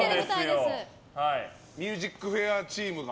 「ＭＵＳＩＣＦＡＩＲ」チームが。